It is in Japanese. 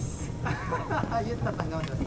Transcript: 裕太さん頑張ってます。